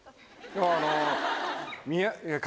あの。